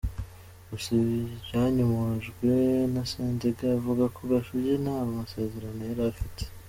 Gusa ibi byanyomojwe na Sendege uvuga ko Gashugi nta masezerano yari afite.